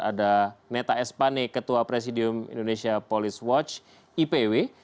ada neta espane ketua presidium indonesia police watch ipw